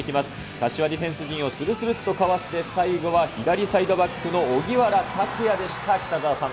柏ディフェンス陣をするするっとかわして左サイドバックの荻原拓也でした、北澤さん。